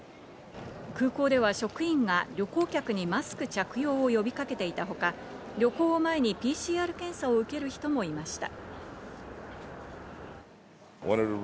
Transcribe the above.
空港では職員が旅行客にマスク着用を呼びかけていたほか、旅行を前にＰＣＲ検査を受ける人もいました。